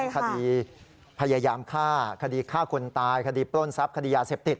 คดีพยายามฆ่าคดีฆ่าคนตายคดีปล้นทรัพย์คดียาเสพติด